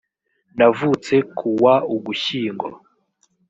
navutse ku wa ugushyingo